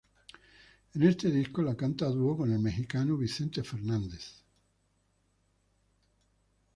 En este disco la canta a dúo con el mexicano Vicente Fernández.